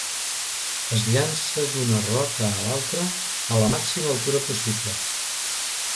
Es llança d'una roca a l'altra a la màxima altura possible.